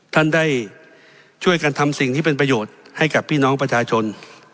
ท่านได้ช่วยกันทำสิ่งที่เป็นประโยชน์ให้กับพี่น้องประชาชน